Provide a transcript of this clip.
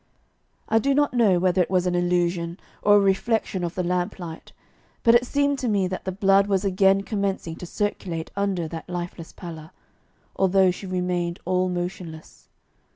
I do not know whether it was an illusion or a reflection of the lamplight, but it seemed to me that the blood was again commencing to circulate under that lifeless pallor, although she remained all motionless.